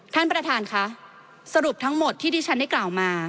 ท่านประธานค่ะสรุปทั้งหมดที่ที่ฉันได้กล่าวมา